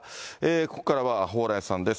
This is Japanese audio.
ここからは蓬莱さんです。